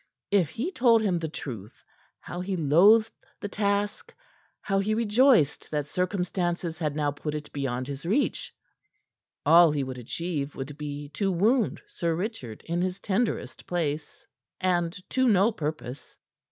If he told him the truth; how he loathed the task; how he rejoiced that circumstances had now put it beyond his reach all he would achieve would be to wound Sir Richard in his tenderest place and to no purpose.